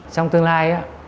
trong tương lai